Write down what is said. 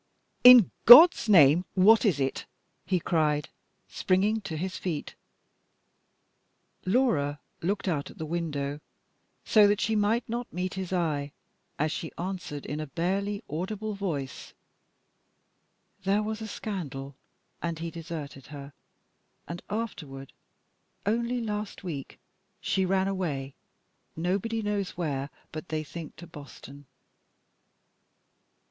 "In God's name, what is it?" he cried, springing to his feet. Laura looked out at the window so that she might not meet his eye as she answered, in a barely audible voice "There was a scandal, and he deserted her; and afterward only last week she ran away, nobody knows where, but they think to Boston."